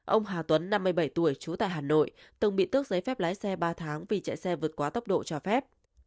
ông hà tuấn năm mươi bảy tuổi trú tại hà nội từng bị tước giấy phép lái xe ba tháng vì chạy xe vượt quá tốc độ cho phép